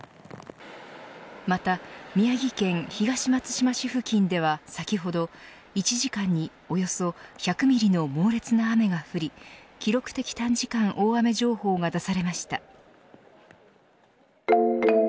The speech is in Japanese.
また宮城県東松島市付近では先ほど１時間に、およそ１００ミリの猛烈な雨が降り記録的短時間大雨情報が出されました。